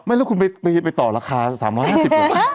ไม่แล้วคุณไปต่อราคา๓๕๐เหรอ